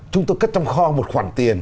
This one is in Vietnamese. chúng tôi cất trong kho một khoản tiền